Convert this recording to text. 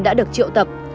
đã được triệu tập